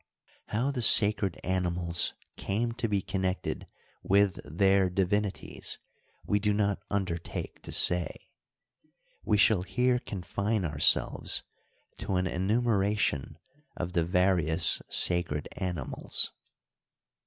How the sacred animals came to be connected with their divinities we do not undertake to say. We shall here confine ourselves to an enumeration of the various sacred animals.